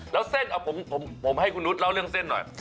แล้วเส้นผมให้คุณนุษย์เล่าเรื่องเส้นหน่อย